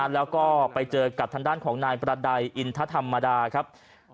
แล้วก็ไปเจอกับทางด้านของนายประดัยอินทธรรมดาครับ